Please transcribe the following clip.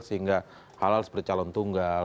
sehingga halal seperti calon tunggal